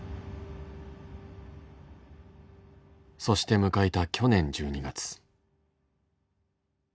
そして迎えた去年１２月。